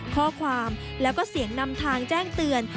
ข้อความแล้วก็เสียงนำทางแจ้งเตือน